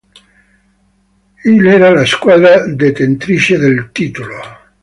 Il era la squadra detentrice del titolo.